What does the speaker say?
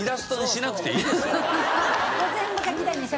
全部書きたいんです。